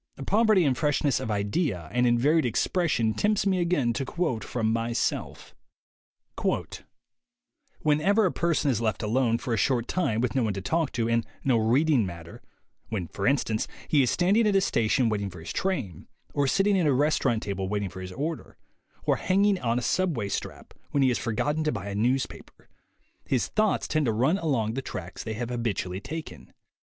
Poverty in freshness of idea and in varied expression tempts me again to quote from myself: "Whenever a person is left alone for a short time, with no one to talk to and no 'reading matter' ; when for instance, he is standing at a station waiting for his train, or sitting at a restaurant table waiting for his order, or hanging on a sub way strap when he has forgotten to buy a news paper, his 'thoughts' tend to run along the tracks 118 THE WAY TO WILL POWER they have habitually taken.